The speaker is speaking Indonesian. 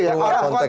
iya keluar konteks